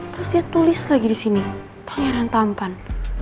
terus dia tulis lagi di sini pangeran tampan